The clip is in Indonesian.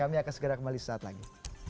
kami akan segera kembali saat lagi